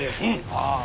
ああ。